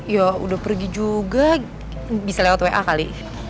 ya udah pergi juga bisa lewat wa kali